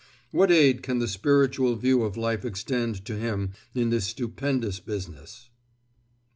What aid can the spiritual view of life extend to him in this stupendous business?